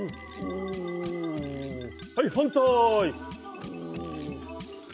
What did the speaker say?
はい反対。